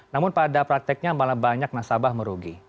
namun pada prakteknya malah banyak nasabah merugi